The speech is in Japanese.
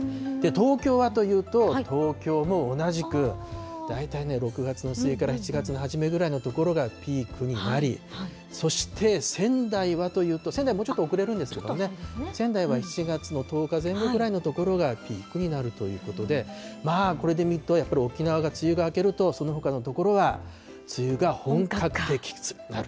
東京はというと、東京も同じく、大体ね、６月の末から７月の初めぐらいのところがピークになり、そして仙台はというと、仙台もうちょっと遅れるんですけどね、仙台は７月の１０日前後ぐらいのところがピークになるということで、まあこれで見るとやっぱり沖縄が梅雨が明けると、そのほかの所は梅雨が本格的になる。